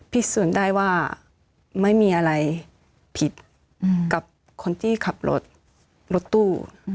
พิสูจน์ได้ว่าไม่มีอะไรผิดกับคนที่ขับรถรถตู้